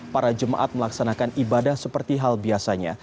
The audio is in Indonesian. para jemaat melaksanakan ibadah seperti hal biasanya